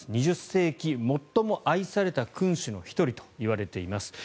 ２０世紀最も愛された君主の１人といわれています。